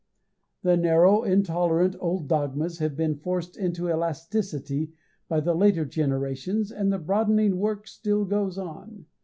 The narrow, intolerant old dogmas have been forced into elasticity by the later generations, and the broadening work still goes on.